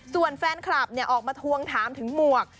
ส่วนแฟนคลับออกมาทวงถามถึงหมวก